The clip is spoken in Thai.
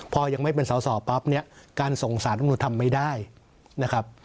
พอยังไม่เป็นสอสอปั๊บเนี่ยการส่งสารรัฐมนุนทำไม่ได้นะครับ